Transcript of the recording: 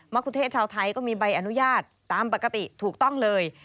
คุเทศชาวไทยก็มีใบอนุญาตตามปกติถูกต้องเลย